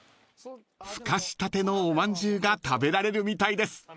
［ふかしたてのおまんじゅうが食べられるみたいです］